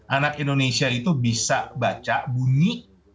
anak indonesia itu bisa baca bunyi